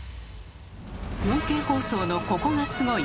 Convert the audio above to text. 「４Ｋ放送のココがスゴい！」